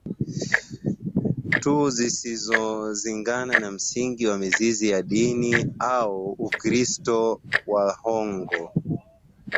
tu zisizosigana na Misingi au Mizizi ya Dini ya Uislamu au ya UkristoWaghongo